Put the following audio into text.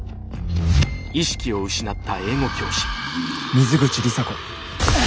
「水口里紗子」。